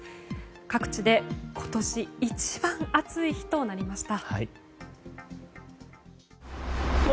各地で今年一番、暑い日となりました。